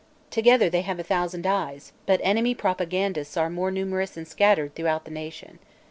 Together, they have a thousand eyes, but enemy propagandists are more numerous and scattered throughout the nation.